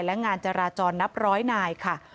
และงานจราจรนับร้อยนายค่ะ